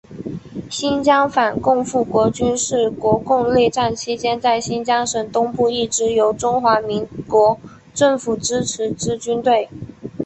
新疆反共复国军是国共内战期间在新疆省东部一支由中华民国政府支持之军队。